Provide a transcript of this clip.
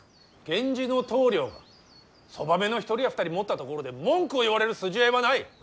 源氏の棟梁がそばめの１人や２人持ったところで文句を言われる筋合いはない。